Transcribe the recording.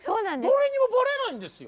誰にもバレないんですよ。